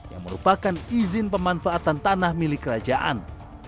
yang merupakan izin pemanfaatan tanah milik kerajaan